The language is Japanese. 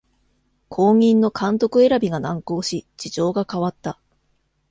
後任の監督選びが難航し事情が変わった